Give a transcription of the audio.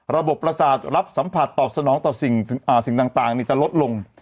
ประสาทรับสัมผัสตอบสนองต่อสิ่งต่างจะลดลง